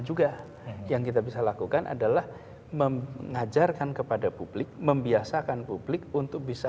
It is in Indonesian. juga yang kita bisa lakukan adalah mengajarkan kepada publik membiasakan publik untuk bisa